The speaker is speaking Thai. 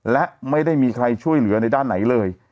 และไม่ได้มีใครช่วยเหลือในด้านไหนเลย